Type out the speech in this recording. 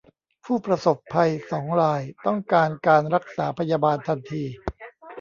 ผู้ประสบภัยสองรายต้องการการรักษาพยาบาลทันที